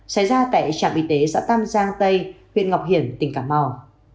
xảy ra tại trạm y tế xã tam giang tây huyện ngọc hiển tỉnh cà mau